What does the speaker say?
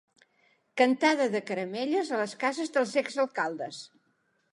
Cantada de caramelles a les cases dels exalcaldes.